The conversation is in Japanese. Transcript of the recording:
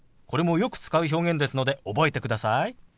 これもよく使う表現ですので覚えてください。